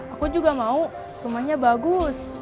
aku juga mau rumahnya bagus